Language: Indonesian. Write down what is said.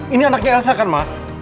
ini anaknya asalkan mas